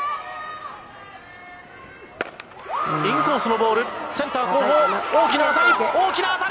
インコースのボール、センター後方、大きな当たり、大きな当たり！